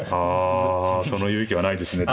あその勇気はないですね。